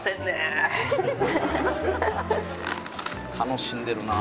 「楽しんでるな」